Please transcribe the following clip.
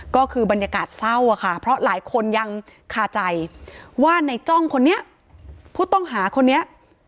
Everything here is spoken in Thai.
ก็คือบรรยากาศเศร้าค่ะเพราะหลายคนยังคาใจว่าในจ้องคนนี้ผู้ต้องหาคนนี้